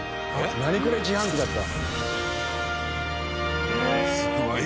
ナニコレ自販機だった。